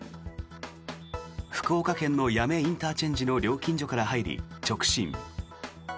福岡県の八女ＩＣの料金所から入り、直進。